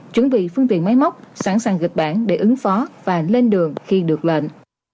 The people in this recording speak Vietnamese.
chuẩn bị phương tiện máy móc sẵn sàng kịch bản để ứng phó và lên đường khi được lệnh